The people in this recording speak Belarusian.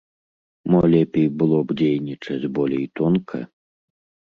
Мо лепей было б дзейнічаць болей тонка?